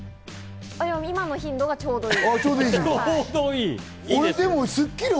今の頻度がちょうどいい。